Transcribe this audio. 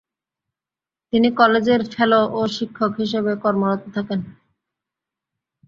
তিনি কলেজের ফেলো ও শিক্ষক হিসেবে কর্মরত থাকেন।